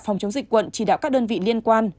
phòng chống dịch quận chỉ đạo các đơn vị liên quan